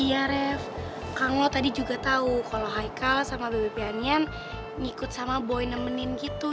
iya rev kang lo tadi juga tahu kalo haikal sama bebe pianian ngikut sama boy nemenin gitu